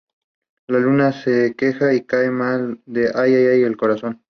La luna se deja querer, y cai' me roba ay, ay, ay el corazón...